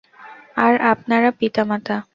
আর আপনার পিতামাতা?